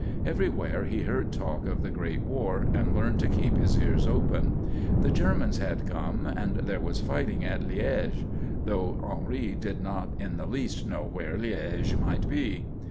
Everywhere he heard talk of the great war and learned to keep his ears open. The Germans had come and there was fighting at Liège though Henri did not in the least know where Liège might be.